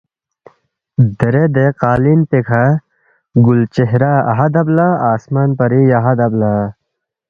دیرے دے قالین پیکھہ گُل چہرہ اَہا دب لہ آسمان پری دیہا دب لہ